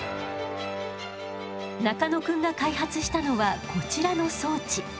中野くんが開発したのはこちらの装置。